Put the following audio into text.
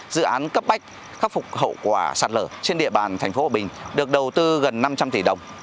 dự án cấp bách khắc phục hậu quả sạt lở trên địa bàn tp hcm được đầu tư gần năm trăm linh tỷ đồng